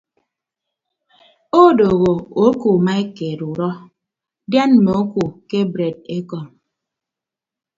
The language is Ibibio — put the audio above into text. Odooho oku maikeed udọ dian mme oku kebreed ekọñ.